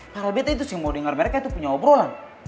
karena betta itu mau denger mereka punya obrolan